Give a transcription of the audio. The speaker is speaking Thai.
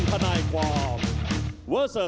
สวัสดีทุกคน